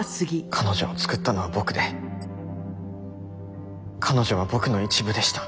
彼女を作ったのは僕で彼女は僕の一部でした。